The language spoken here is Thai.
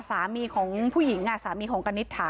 สามีของผู้หญิงกบกานิสถา